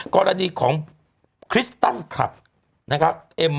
กรณีของคริสตันคลับนะครับเอ็ม